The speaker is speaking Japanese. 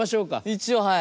一応はい。